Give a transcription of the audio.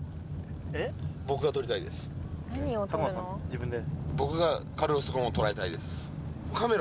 自分で。